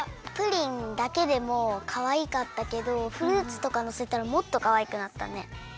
プリンだけでもかわいかったけどフルーツとかのせたらもっとかわいくなったね。